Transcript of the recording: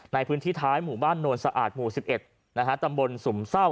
ในพื้นที่ท้ายหมู่บ้านโนนสะอาดหมู่๑๑ตำบลสุมเศร้า